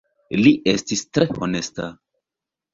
Li estis tre honesta.